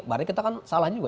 berarti kita kan salah juga